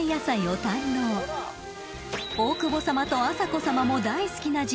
［大久保さまとあさこさまも大好きな地